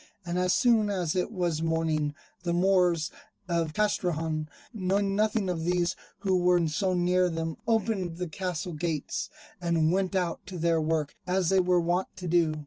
And as soon as it was morning, the Moors of Castrejon, knowing nothing of these who were so near them, opened the castle gates, and went out to their work as they were wont to do.